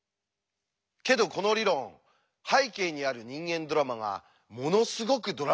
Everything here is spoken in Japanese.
けどこの理論背景にある人間ドラマがものすごくドラマチックなんです。